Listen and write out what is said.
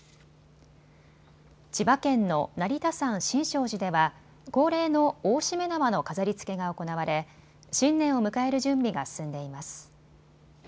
千葉県の成田山新勝寺では恒例の大しめ縄の飾りつけが行われ新年を迎える準備が進んでいます。